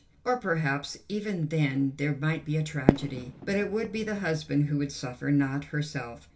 Or perhaps even then there might be a tragedy; but it would be the husband who would suffer, not herself.